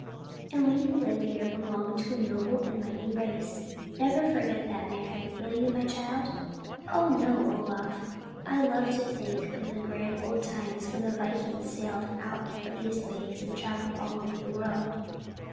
"And we who live here belong to a noble and a mighty race. Never forget that, Mari, will you, my child?" "O no, Olaf, I love to think of the grand old times when the Vikings sailed out of these bays and travelled all over the world.